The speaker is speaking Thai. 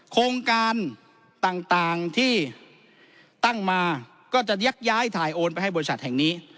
โครงการต่างที่ตั้งมาก็จะยักย้ายถ่ายโอนไปให้บริษัทแห่งนี้